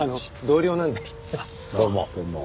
どうも。